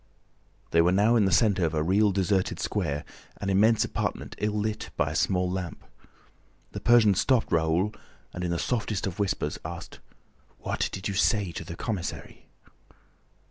They were now in the center of a real deserted square, an immense apartment ill lit by a small lamp. The Persian stopped Raoul and, in the softest of whispers, asked: "What did you say to the commissary?"